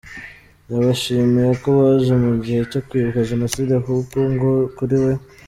Yabashimiye ko baje mu gihe cyo kwibuka Jenoside, kuko ngo kuri we.